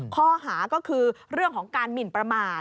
ข้อหาก็คือเรื่องของการหมินประมาท